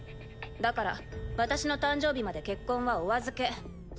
だから私の誕生日まで結婚はお預け。